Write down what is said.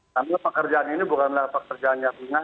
namun pekerjaan ini bukanlah pekerjaan yang unggul